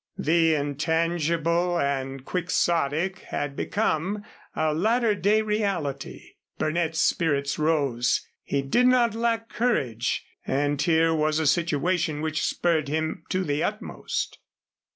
The intangible and Quixotic had become a latter day reality. Burnett's spirits rose. He did not lack courage, and here was a situation which spurred him to the utmost.